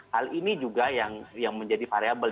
hal ini juga yang menjadi variable